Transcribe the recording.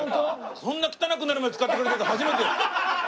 そんな汚くなるまで使ってくれてる人初めてです！